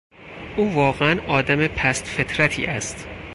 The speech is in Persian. او واقعا آدم پست فطرتی است.